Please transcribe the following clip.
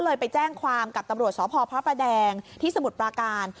ไปแจ้งความกับตำรวจสพพระประแดงที่สมุทรปราการ